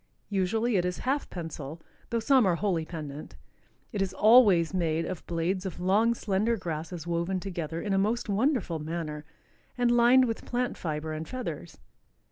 Usually it is half pensile, though some are wholly pendent. It is always made of blades of long, slender grasses woven together in a most wonderful manner and lined with plant fiber and feathers.